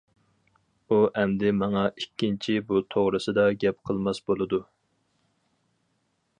ئۇ ئەمدى ماڭا ئىككىنچى بۇ توغرىسىدا گەپ قىلماس بولىدۇ.